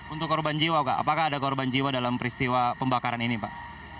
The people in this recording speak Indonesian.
untuk korban jiwa pak apakah ada korban jiwa dalam peristiwa pembakaran ini pak